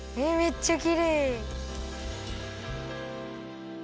えっめっちゃきれい。